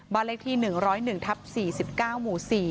บาลเทศ๑๐๑ทับ๔๙หมู่๔